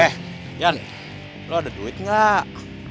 eh yan lo ada duit enggak